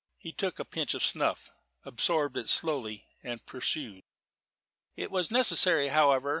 He took a pinch of snuff, absorbed it slowly, and pursued. "It was necessary, however.